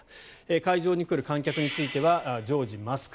会場に来る観客については常時マスク。